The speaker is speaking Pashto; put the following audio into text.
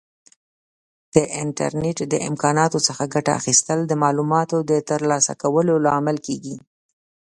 د انټرنیټ د امکاناتو څخه ګټه اخیستل د معلوماتو د ترلاسه کولو لامل کیږي.